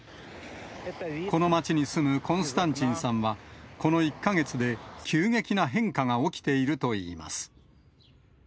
この町に住むコンスタンチンさんは、この１か月で急激な変化が起きているといいます。